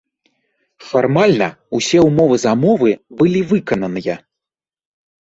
Фармальна, усе ўмовы замовы былі выкананыя.